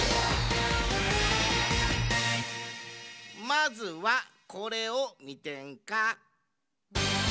まずはこれをみてんか！